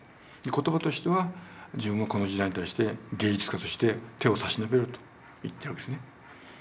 言葉としては自分はこの時代に対して芸術家として手を差し伸べると言ってるわけですね。